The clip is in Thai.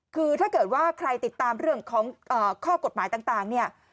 คือถ้าเกิดว่าใครติดตามเรื่องของข้อกฎหมายต่างเนี่ย